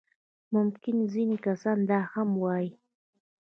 ممکن ځينې کسان دا هم ووايي.